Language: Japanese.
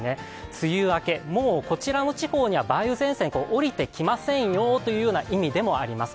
梅雨明け、もうこちらの地方には梅雨前線降りてきませんよというような意味でもあります。